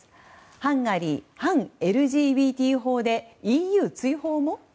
ハンガリー、反ＬＧＢＴ法でＥＵ追放も。